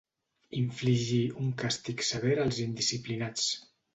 Infligir un càstig sever als indisciplinats.